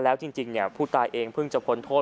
และจริงเมื่อผู้ตายเองพึงจะฝนโทษ